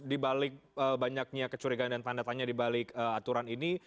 dibalik banyaknya kecurigaan dan tanda tanya dibalik aturan ini